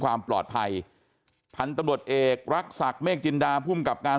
ความปลอดภัยพันธุ์ตำรวจเอกรักษักเมฆจินดาภูมิกับการ